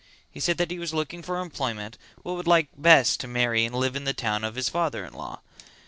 He said that he was looking for employment but would like best to marry and live in the house of his father in law.